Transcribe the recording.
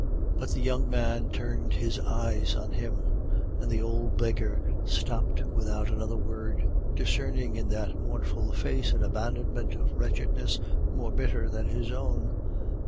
But the young man turned his eyes on him, and the old beggar stopped without another word, discerning in that mournful face an abandonment of wretchedness more bitter than his own.